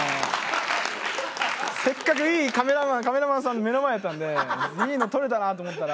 せっかくいいカメラマンカメラマンさんの目の前だったのでいいの撮れたなと思ったら。